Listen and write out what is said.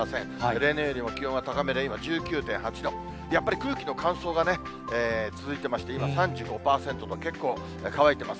例年よりも気温は高めで、今、１９．８度、やっぱり空気の乾燥がね、続いてまして、今、３５％と、結構乾いています。